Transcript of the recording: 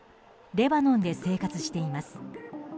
レバノンで生活しています。